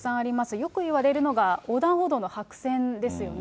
よくいわれるのが横断歩道の白線ですよね。